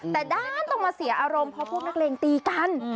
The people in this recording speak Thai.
แต่ด้านต้องมาเสียอารมณ์เพราะพวกนักเลงตีกัน